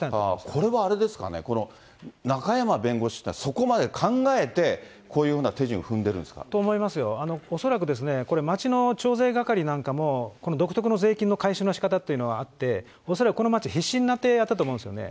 これはあれですかね、この中山弁護士はそこまで考えて、こういうふうな手順を踏んでいるんですかね。と思いますよ。と言いますのは、これ、町の徴税係なんかも、この独特の税金の回収のしかたっていうのはあって、恐らく、この町、必死になってやったと思うんですよね。